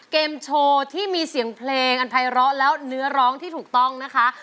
เกมโชว์ที่มีเสียงเพลงอันภัยร้อแล้วเนื้อร้องที่ถูกต้องนะคะ